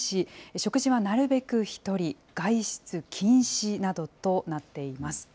食事はなるべく１人、外出禁止などとなっています。